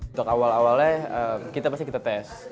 untuk awal awalnya kita pasti kita tes